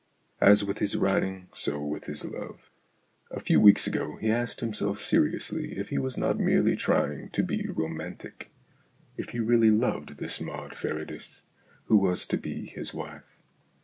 As with his writing so with his love. A few weeks ago he asked himself seriously if he was not merely trying to be romantic, if he really loved this Maud Farradyce who was to be his wife.